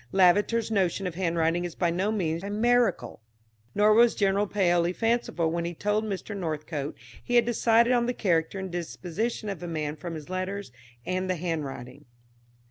Lavater's notion of handwriting is by no means chimerical; nor was General Paoli fanciful when he told Mr. Northcote he had decided on the character and disposition of a man from his letters and the handwriting.